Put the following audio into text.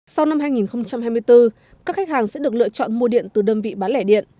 sau năm hai nghìn hai mươi bốn các khách hàng sẽ được lựa chọn mua điện từ đơn vị bán lẻ điện